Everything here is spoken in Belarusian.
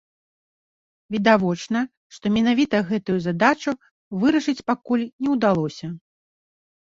Відавочна, што менавіта гэтую задачу вырашыць пакуль не ўдалося.